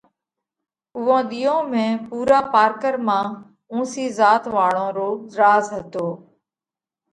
اُوئون ۮِيئون ۾ پُورا پارڪر مانه اُونسِي ذات واۯون رو راز هتو۔